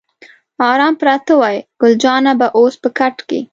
آرام پراته وای، ګل جانه به اوس په کټ کې.